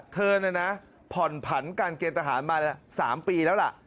เธอเนี่ยนะผ่อนผันการเกณฑ์ทหารมา๓ปีแล้วล่ะ